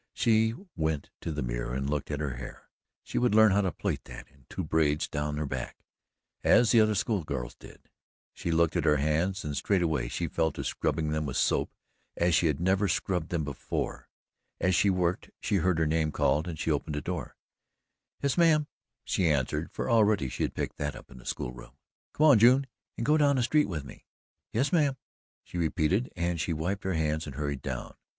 She went to the mirror and looked at her hair she would learn how to plait that in two braids down her back, as the other school girls did. She looked at her hands and straightway she fell to scrubbing them with soap as she had never scrubbed them before. As she worked, she heard her name called and she opened the door. "Yes, mam!" she answered, for already she had picked that up in the school room. "Come on, June, and go down the street with me." "Yes, mam," she repeated, and she wiped her hands and hurried down. Mrs.